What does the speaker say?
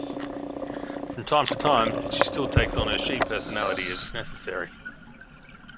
From time to time, she still takes on her Shi personality if necessary.